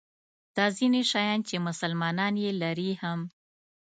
دا ځیني شیان چې مسلمانان یې لري هم.